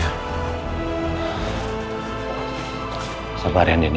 ada apa apa yang ada